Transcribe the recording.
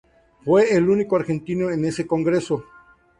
Fue el único argentino en ese Congreso.